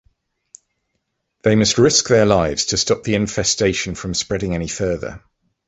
They must risk their lives to stop the infestation from spreading any further.